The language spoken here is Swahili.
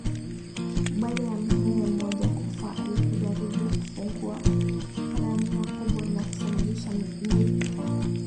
Baada ya Mhehe mmoja kufa alipojaribu kufungua ramia kubwa na kusababisha mlipuko